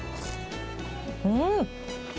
うん！